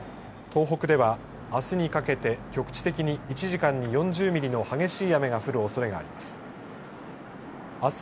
東北ではあすにかけて局地的に１時間に４０ミリの激しい雨が降るおそれがあります。